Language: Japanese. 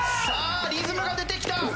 さあリズムが出てきた！